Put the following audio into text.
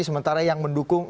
sementara yang mendukung